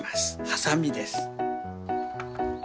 はさみです。